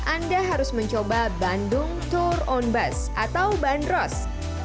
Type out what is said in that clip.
anda harus mencoba bandung tour on bus atau bandros